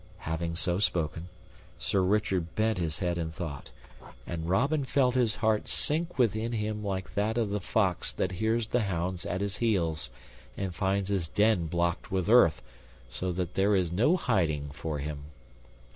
Having so spoken, Sir Richard bent his head in thought, and Robin felt his heart sink within him like that of the fox that hears the hounds at his heels and finds his den blocked with earth so that there is no hiding for him.